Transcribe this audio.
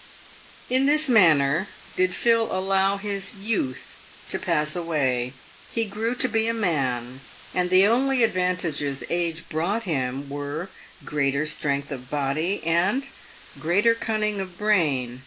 In this manner did Phil allow his youth to pass away. He grew to be a man, and the only advantages age brought him were greater strength of body, and greater cunning of brain.